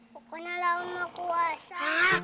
pokoknya raun mau puasa